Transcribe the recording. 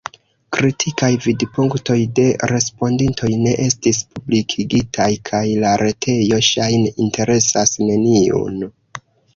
Kritikaj vidpunktoj de respondintoj ne estis publikigitaj, kaj la retejo ŝajne interesas neniun.